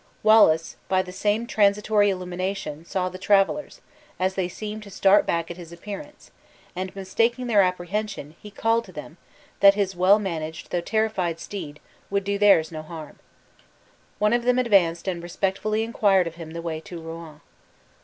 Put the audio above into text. Wallace, by the same transitory illumination, saw the travelers, as they seemed to start back at his appearance; and, mistaking their apprehension, he called to them, that his well managed, though terrified steed, would do theirs no harm. One of them advanced and respectfully inquired of him the way to Rouen.